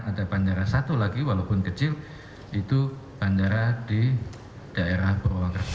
ada bandara satu lagi walaupun kecil itu bandara di daerah purwokerto